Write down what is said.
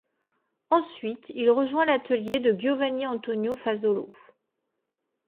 Ensuite il rejoint l'atelier de Giovanni Antonio Fasolo.